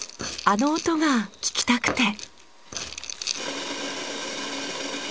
あの音が聞きたくて。